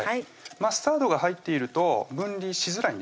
マスタードが入っていると分離しづらいんですね